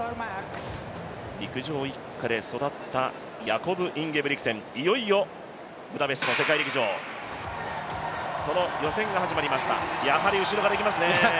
陸上一家で育ったヤコブ・インゲブリクセン、いよいよブダペストの世界陸上、その予選が始まりました、やはり後ろからいきますね。